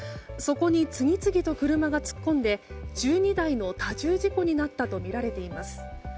そこに次々と車が突っ込んで１２台の多重事故になったとみられています。